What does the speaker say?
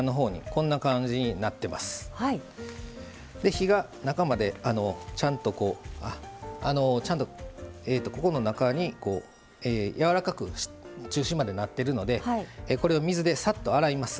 火が中までちゃんとここの中にやわらかく中心までなってるのでこれを水でさっと洗います。